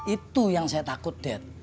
itu yang saya takut dead